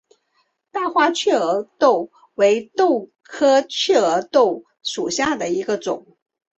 大花雀儿豆为豆科雀儿豆属下的一个种。